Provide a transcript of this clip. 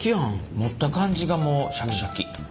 持った感じがもうシャキシャキ。